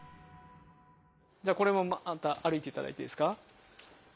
じゃあこれもまた歩いていただいていいですか？